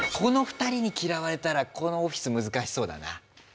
この二人に嫌われたらこのオフィス難しそうだな。